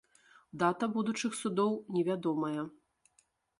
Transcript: Дата будучых судоў невядомая.